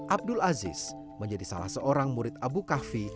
abdul aziz menjadi salah seorang murid abu kahfi